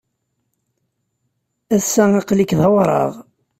Ass-a, aql-ik d awraɣ.